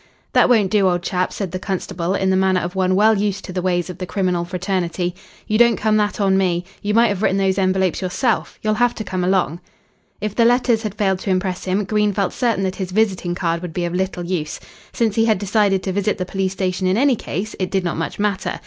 "That won't do, old chap," said the constable, in the manner of one well used to the ways of the criminal fraternity. "You don't come that on me. You might have written those envelopes yourself. You'll have to come along." If the letters had failed to impress him, Green felt certain that his visiting card would be of little use. Since he had decided to visit the police station in any case, it did not much matter.